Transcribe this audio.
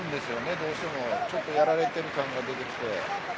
どうしてもちょっとやられてる感が出てきて。